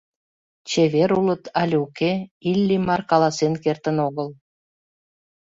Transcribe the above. Чевер улыт, але уке — Иллимар каласен кертын огыл.